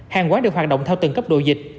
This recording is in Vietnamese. hàng quán được hoạt động theo từng cấp độ dịch